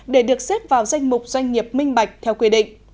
để được xếp vào danh mục doanh nghiệp minh bạch theo quy định